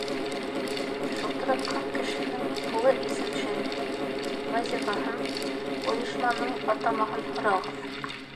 Шылтыратҡан кешенең тулы исем-шәрифен, вазифаһын, ойошманың атамаһын һорағыҙ.